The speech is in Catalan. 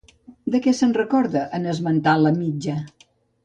De què se'n recorda en esmentar la mitja?